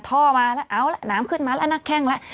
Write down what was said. ท่อมาแล้วเอาละน้ำขึ้นมาแล้วหน้าแข้งแล้ว